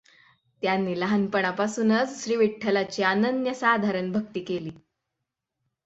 त्यांनी लहानपणापासूनच श्रीविठ्ठलाची अनन्यसाधारण भक्ती केली.